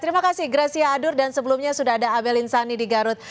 terima kasih gracia adur dan sebelumnya sudah ada abel insani di garut